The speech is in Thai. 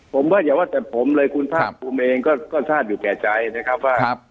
ผมว่าอย่าว่าแต่ผมเลยคุณภาคภูมิเองก็ทราบอยู่แก่ใจนะครับว่า